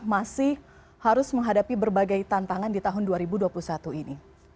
masih harus menghadapi berbagai tantangan di tahun dua ribu dua puluh satu ini